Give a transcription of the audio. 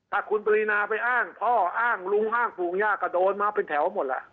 ถ้าคุณปรินาไปอ้างพ่ออ้างลุงอ้างปลูกย่าก็โดนมาเป็นแถวหมดล่ะ